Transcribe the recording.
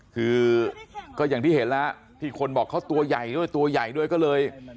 คือก็อย่างที่เห็นแล้วที่คนบอกเขาตัวใหญ่ด้วยตัวใหญ่ด้วยก็เลย